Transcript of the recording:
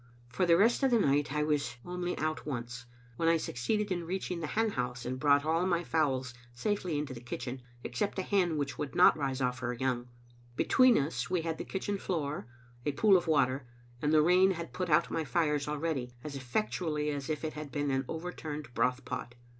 For the rest of the night I was only out once, when I succeeded in reaching the hen house and brought all my fowls safely to the kitchen, except a hen which would not rise off her young. Between us we had the kitchen floor, a pool of water; and the rain had put out my fires already, as effectually as if it had been an overturned broth pot.